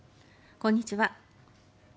こんにちは。